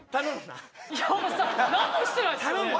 何もしてないですよね